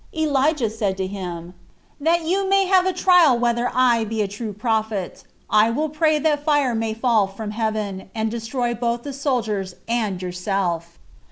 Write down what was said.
Elijah said to him, "That you may have a trial whether I be a true prophet, I will pray that fire may fall from heaven, and destroy both the soldiers and yourself."